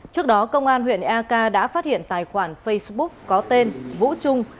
trước đó công an huyện eak đã phát hiện tài khoản facebook có tên vũ trung